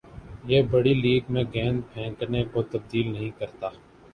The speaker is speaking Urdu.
یہ بڑِی لیگ میں گیند پھینکنے کو تبدیل نہیں کرتا